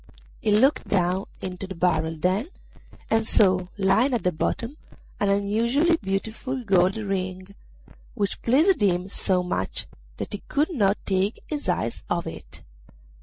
He looked down into the barrel then, and saw lying at the bottom an unusually beautiful gold ring, which pleased him so much that he could not take his eyes off it.